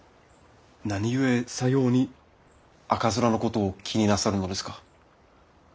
何故さように赤面のことを気になさるのですか？